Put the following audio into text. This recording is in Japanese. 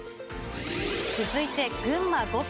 続いて群馬５区。